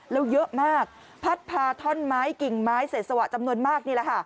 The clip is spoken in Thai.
แล้วเยอะมากพัดพาท่อนไม้กิ่งไม้เศษสวะจำนวนมากนี่แหละค่ะ